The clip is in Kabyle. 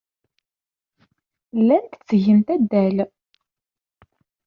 Llant ttgent addal.